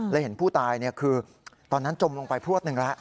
และเห็นผู้ตายคือตอนนั้นจมลงไปพลวดหนึ่งแล้ว